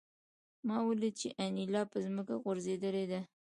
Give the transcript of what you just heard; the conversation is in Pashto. ما ولیدل چې انیلا په ځمکه غورځېدلې ده